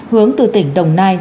hướng từ tỉnh đồng nai